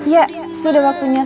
ya sudah waktunya